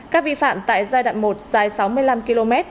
các vi phạm tại giai đoạn một dài sáu mươi năm km